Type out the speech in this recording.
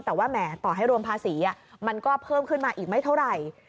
แต่ว่าแหมต่อให้รวมภาษีมันก็เพิ่มขึ้นมาอีกไม่เท่าไหร่